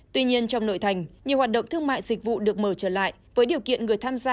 tuy nhiên trong nội thành nhiều hoạt động thương mại dịch vụ được mở trở lại với điều kiện người tham gia